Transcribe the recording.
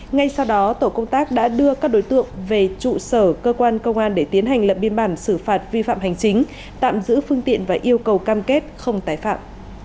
ngay sau đó tổ công tác đã đưa các đối tượng về trụ sở cơ quan công an để tiến hành lập biên bản xử phạt vi phạm hành chính tạm giữ phương tiện và yêu cầu cam kết không tái phạm